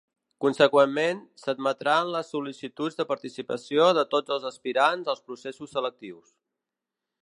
Conseqüentment, s’admetran les sol·licituds de participació de tots els aspirants als processos selectius.